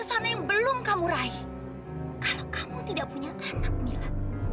sampai jumpa di video selanjutnya